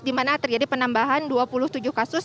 dimana terjadi penambahan dua puluh tujuh kasus